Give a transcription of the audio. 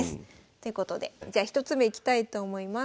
ということでじゃあ１つ目いきたいと思います。